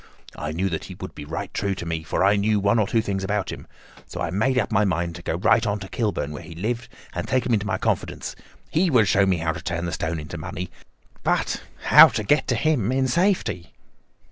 I knew that he would be true to me, for I knew one or two things about him; so I made up my mind to go right on to Kilburn, where he lived, and take him into my confidence. He would show me how to turn the stone into money. But how to get to him in safety?